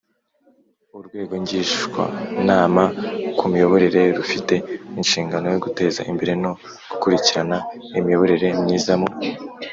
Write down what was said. Urwego Ngishwanama ku Miyoborere rufite inshingano yo guteza imbere no gukurikirana imiyoborere myiza mu